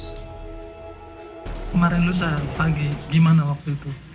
kemarin lusa pagi gimana waktu itu